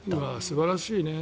素晴らしいね。